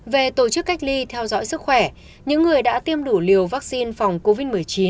về tổ chức cách ly theo dõi sức khỏe những người đã tiêm đủ liều vaccine phòng covid một mươi chín